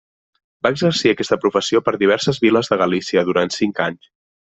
Va exercir aquesta professió per diverses viles de Galícia durant cinc anys.